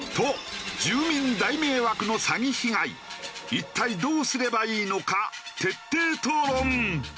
一体どうすればいいのか徹底討論。